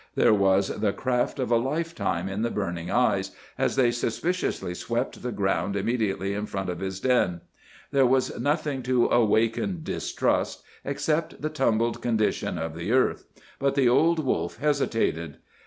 There was the craft of a lifetime in the burning eyes as they suspiciously swept the ground immediately in front of his den. There was nothing to awaken distrust except the tumbled condition of the earth, but the old wolf hesitated.